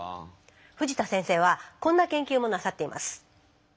藤田先生はこんな研究もなさっています。